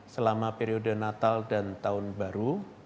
selama periode natal dan tahun baru